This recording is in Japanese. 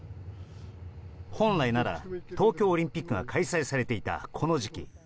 本来なら東京オリンピックが開催されていたこの時期。